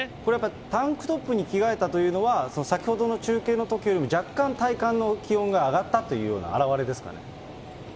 タンクトップに着替えたというのは、先ほどの中継のときよりも、若干、体感の気温が上がったというような表れですかね。